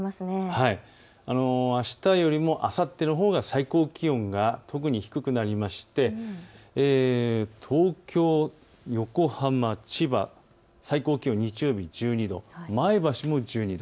あしたよりもあさってのほうが最高気温が特に低くなりまして東京、横浜、千葉、最高気温、日曜日１２度、前橋も１２度。